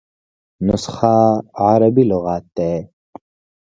نسخه عربي لغت دﺉ.